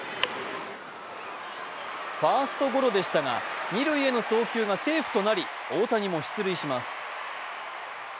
ファーストゴロでしたが二塁への送球がセーフとなり、大谷も出塁します。